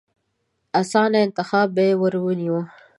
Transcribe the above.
اسانه انتخاب به يې ورنيوه.